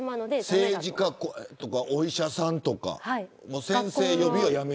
政治家とか、お医者さんとか先生呼びはやめよう。